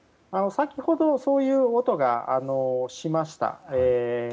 先ほどそういう音がしました。